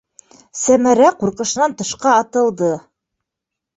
Сәмәрә ҡурҡышынан тышҡа атылды.